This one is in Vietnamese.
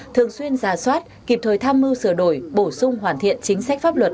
thường xuyên ra soát kịp thời tham mưu sửa đổi bổ sung hoàn thiện chính sách pháp luật